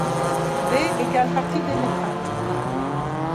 D = Parti démocrate.